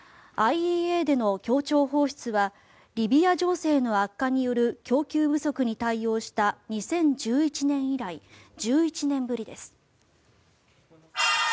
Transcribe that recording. ＩＥＡでの協調放出はリビア情勢の悪化による供給不足に対応した２０１１年以来１１年ぶりです。